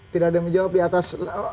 tidak ada yang menjawab di atas